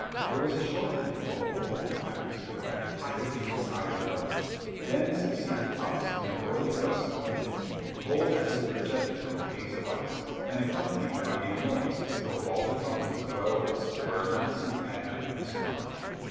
There was a short interval of open atmosphere hot as the inside of an oven. Then succeeded puffs, and whirling gusts, of wind cold as if projected from caves of ice, and accompanied by a noise as though all the trumpets of Aeolus were announcing the advent of the Storm King!